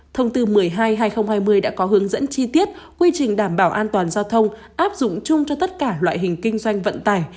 thông tư một mươi hai hai nghìn hai mươi đã có hướng dẫn chi tiết quy trình đảm bảo an toàn giao thông áp dụng chung cho tất cả loại hình kinh doanh vận tải